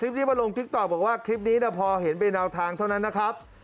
พี่ตอบบอกว่าคลิปนี้พอเห็นเป็นเอาทางเท่านั้นนะครับ